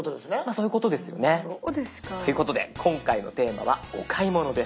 そういうことですね。ということで今回のテーマはお買い物です。